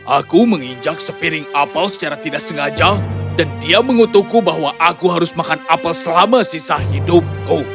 aku menginjak sepiring apel secara tidak sengaja dan dia mengutukku bahwa aku harus makan apel selama sisa hidupku